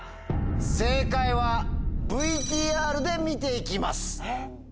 正解はＶＴＲで見ていきます。